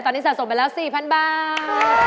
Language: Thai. ที่สะสมเป็นแล้ว๔๐๐๐บาท